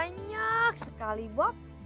gimana ada yang bisa aku bantu nggak